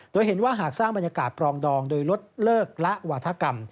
โดยเห็นว่าหากสร้างบรรยากาศปรองดองโดยลดเลิกละวาธกรรม